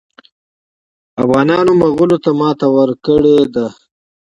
افغانانو مغولو ته ماته ورکړې ده.